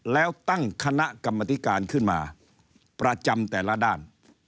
แล้วตั้งคณะกรรมธิการขึ้นมาประจำแต่ละด้าน